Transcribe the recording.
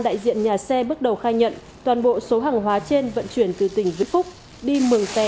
các nhà xe bắt đầu khai nhận toàn bộ số hàng hóa trên vận chuyển từ tỉnh vĩnh phúc đi mường tè